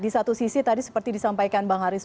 di satu sisi tadi seperti disampaikan bang haris